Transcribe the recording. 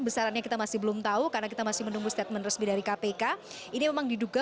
besarannya kita masih belum tahu karena kita masih menunggu statement resmi dari kpk ini memang diduga